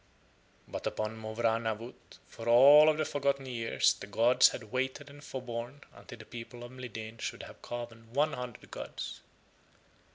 But upon Mowrah Nawut for all of the forgotten years the gods had waited and forborne until the people of Mlideen should have carven one hundred gods.